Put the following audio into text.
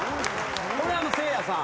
これはせいやさん